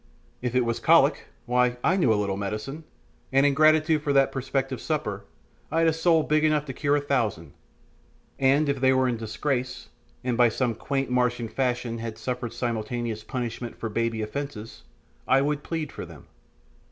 If it was cholic why, I knew a little of medicine, and in gratitude for that prospective supper, I had a soul big enough to cure a thousand; and if they were in disgrace, and by some quaint Martian fashion had suffered simultaneous punishment for baby offences, I would plead for them.